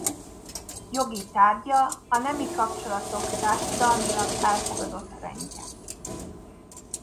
Jogi tárgya a nemi kapcsolatok társadalmilag elfogadott rendje.